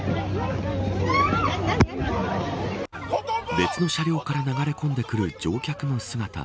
別の車両からなだれ込んでくる乗客の姿。